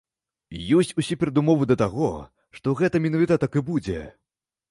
Ёсць усе перадумовы да таго, што гэта менавіта так і будзе.